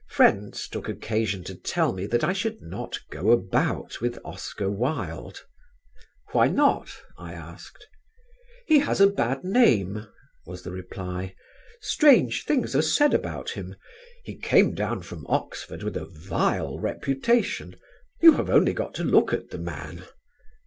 Friends took occasion to tell me that I should not go about with Oscar Wilde. "Why not?" I asked. "He has a bad name," was the reply. "Strange things are said about him. He came down from Oxford with a vile reputation. You have only got to look at the man."